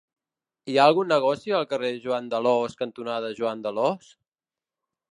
Hi ha algun negoci al carrer Joan d'Alòs cantonada Joan d'Alòs?